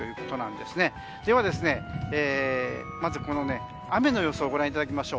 では、まず雨の予想をご覧いただきましょう。